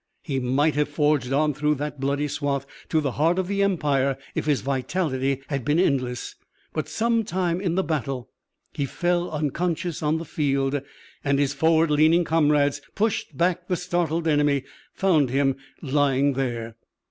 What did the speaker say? He might have forged on through that bloody swathe to the heart of the Empire if his vitality had been endless. But, some time in the battle, he fell unconscious on the field, and his forward leaning comrades, pushing back the startled enemy, found him lying there.